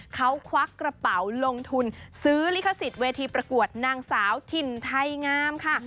เขาควักกระเป๋าลงทุนซื้อลิขสิทธิเวทีประกวดนางสาวถิ่นไทยงามค่ะ